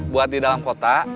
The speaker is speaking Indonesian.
buat di dalam kota